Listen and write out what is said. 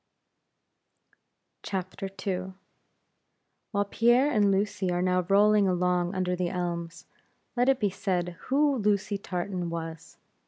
II. While Pierre and Lucy are now rolling along under the elms, let it be said who Lucy Tartan was.